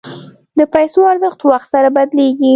د پیسو ارزښت وخت سره بدلېږي.